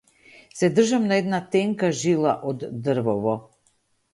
Се држам на една тенка жила од дрвово.